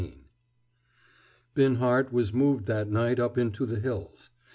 XVII Binhart was moved that night up into the hills.